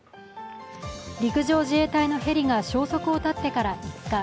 陸上自衛隊のヘリが消息を絶ってから５日。